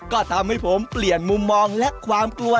ก็ทำให้ผมเปลี่ยนมุมมองและความกลัว